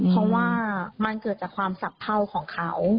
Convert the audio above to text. เพราะว่ามันเกิดจากความสับเท่าของเขา